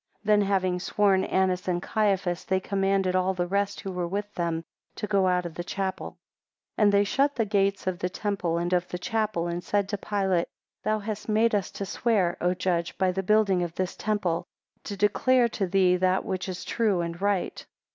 5 Then having sworn Annas and Caiaphas, they commanded all the rest who were with them to go out of the chapel. 6 And they shut the gates of the temple and of the chapel, and said to Pilate, Thou hast made us to swear, O judge, by the building of this temple, to declare to thee that which is true and right.